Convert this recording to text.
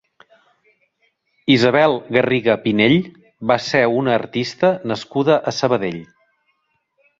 Isabel Garriga Pinell va ser una artista nascuda a Sabadell.